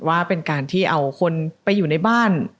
ว่าเป็นการที่เอาคนไปอยู่ในบ้าน